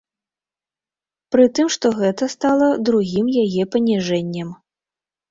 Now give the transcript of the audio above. Пры тым што гэта стала другім яе паніжэннем.